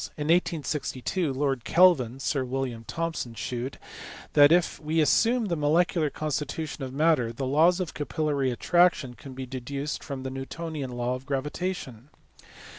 In 1862 Lord Kelvin (Sir William Thomson) shewed that, if we assume the molecular constitution of matter, the laws of capillary attraction can be deduced from the Newtonian law of gravitation.